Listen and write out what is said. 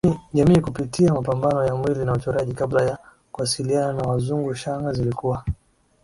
jamii kupitia mapambo ya mwili na uchoraji Kabla ya kuwasiliana na Wazungu shanga zilikuwa